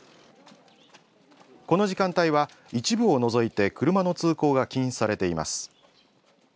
この時間帯は、一部を除いて車の通行が禁止されています。